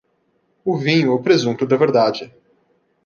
O vinho é o presunto da verdade.